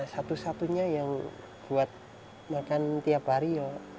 satu satunya yang buat makan tiap hari ya